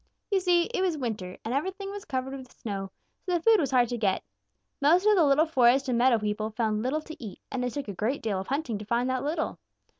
You see, it was winter, and everything was covered with snow, so that food was hard to get. Most of the little forest and meadow people found little to eat, and it took a great deal of hunting to find that little.